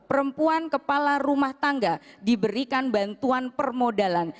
perempuan kepala rumah tangga diberikan bantuan permodalan